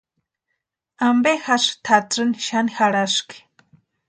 ¿Ampe jásï tʼatsïni xani jarhaski?